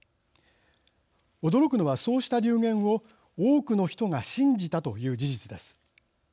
驚くのは、そうした流言を多くの人が信じたという事実です。